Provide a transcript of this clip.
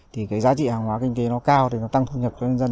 thì cái giá trị hàng hóa kinh tế nó cao thì nó tăng thu nhập cho nhân dân